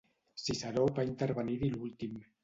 Ciceró va intervenir-hi l’últim.